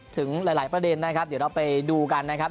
ถึงหลายประเด็นนะครับเดี๋ยวเราไปดูกันนะครับ